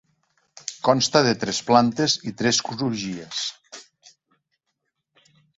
Consta de tres plantes i tres crugies.